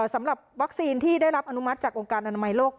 สำหรับวัคซีนที่ได้รับอนุมัติจากองค์การอนามัยโลก